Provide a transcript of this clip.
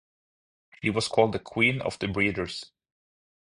She was called the "Queen of the Breeders".